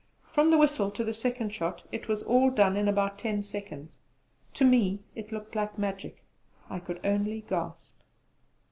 From the whistle to the second shot it was all done in about ten seconds. To me it looked like magic. I could only gasp.